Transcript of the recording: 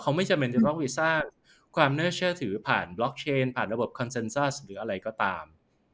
เขาไม่จำเป็นจะต้องวีซ่าความน่าเชื่อถือผ่านบล็อกเชนผ่านระบบคอนเซ็นซ่าหรืออะไรก็ตาม